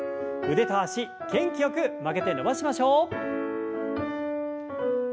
腕と脚元気よく曲げて伸ばしましょう。